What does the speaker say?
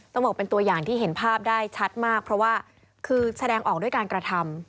ต้องบอกเป็นตัวอย่างที่เห็นภาพได้ชัดมากเพราะว่าคือแสดงออกด้วยการกระทำ